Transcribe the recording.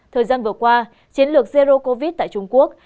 thời gian vừa qua chiến lược zero covid tại trung quốc